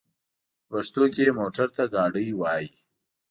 په پښتو کې موټر ته ګاډی وايي.